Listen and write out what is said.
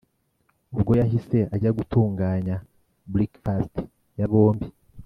ubwo yahise ajya gutunganya breakfast ya bombi